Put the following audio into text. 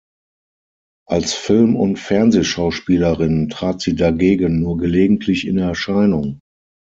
Als Film- und Fernsehschauspielerin trat sie dagegen nur gelegentlich in Erscheinung.